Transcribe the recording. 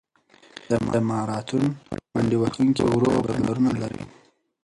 د ماراتون منډهوهونکي ورو فایبرونه لري.